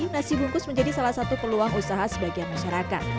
nasi bungkus menjadi salah satu peluang usaha sebagian masyarakat